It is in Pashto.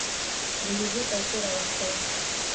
اېزي پيسه راواستوه.